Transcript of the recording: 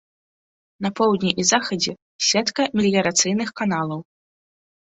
На поўдні і захадзе сетка меліярацыйных каналаў.